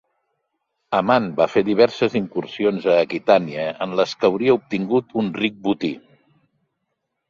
Amand va fer diverses incursions a Aquitània en les que hauria obtingut un ric botí.